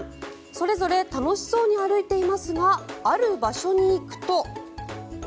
それぞれ楽しそうに歩いていますがある場所に行くと。